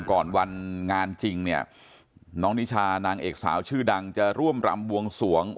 ก่อนวันงานจริงเนี่ยน้องนิชานางเอกสาวชื่อดังจะร่วมรำบวงสวง